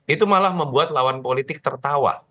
itu malah membuat lawan politik tertawa